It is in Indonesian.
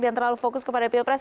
dan terlalu fokus kepada pilpres